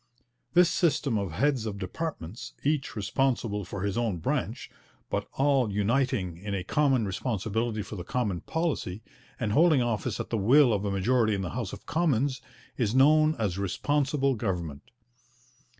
This system of heads of departments, each responsible for his own branch, but all uniting in a common responsibility for the common policy, and holding office at the will of a majority in the House of Commons, is known as Responsible Government.